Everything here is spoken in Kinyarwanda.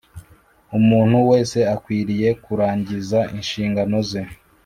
Umuntu wese akwiriye kurangiza inshingano ze